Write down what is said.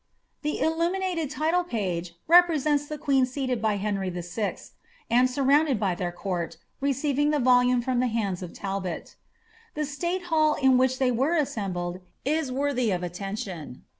'* The illuminated title page represents the queen seated by Henry Vf., and surrounded by their court, receiving the volume from the hands of Talbot.' The state hull in which they are assembled is worthy of atten tion.